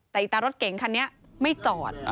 แต่อีตารถเก๋งคันนี้ไม่จอด